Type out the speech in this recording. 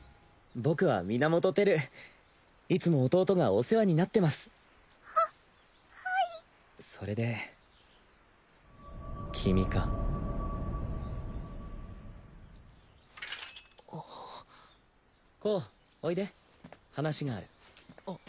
僕は源輝いつも弟がお世話になってますははいそれで君かあっ光おいで話があるあっ